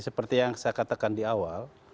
seperti yang saya katakan di awal